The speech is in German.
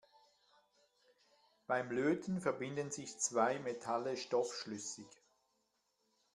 Beim Löten verbinden sich zwei Metalle stoffschlüssig.